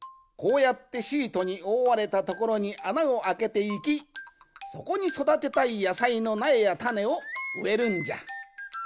こうやってシートにおおわれたところにあなをあけていきそこにそだてたいやさいのなえやたねをうえるんじゃ。